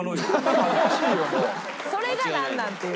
それがなんなん？っていう。